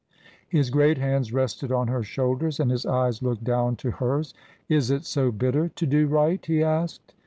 His great hands rested on her shoulders and his eyes looked down to hers. "Is it so bitter to do right?" he asked.